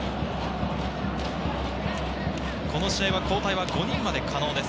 この試合は交代は５人まで可能です。